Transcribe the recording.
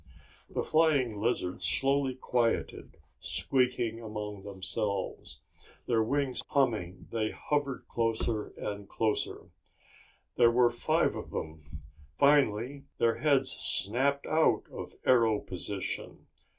The flying lizards slowly quieted, squeaking among themselves. Their wings humming, they hovered closer and closer. There were five of them. Finally their heads snapped out of arrow position.